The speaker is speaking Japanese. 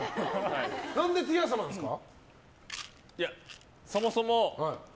何でティア様なんですか？